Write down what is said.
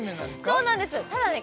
そうなんですただね